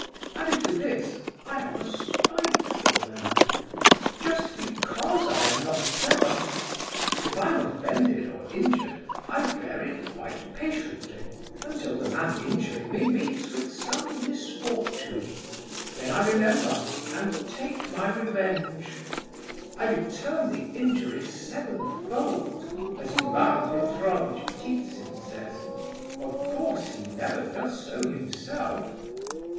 Added to this, I am a spiteful man, just because I am not clever. If I am offended or injured I bear it quite patiently until the man injuring me meets with some misfortune. Then I remember, and take my revenge. I return the injury sevenfold, as Ivan Petrovitch Ptitsin says. (Of course he never does so himself.)